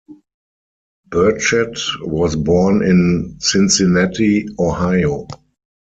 Burchett was born in Cincinnati, Ohio.